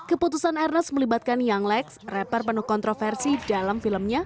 keputusan ernest melibatkan young lex rapper penuh kontroversi dalam filmnya